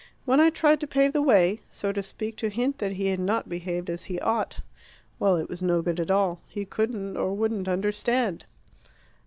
"When I tried to pave the way, so to speak to hint that he had not behaved as he ought well, it was no good at all. He couldn't or wouldn't understand."